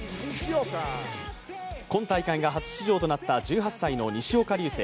今大会が初出場となった１８歳の西岡隆成。